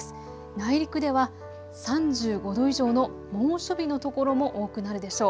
内陸では３５度以上の猛暑日の所も多くなるでしょう。